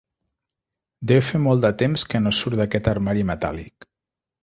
Deu fer molt de temps que no surt d'aquest armari metàl·lic.